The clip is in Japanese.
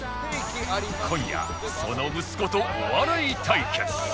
今夜その息子とお笑い対決